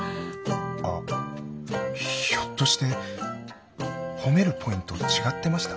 あひょっとして褒めるポイント違ってました？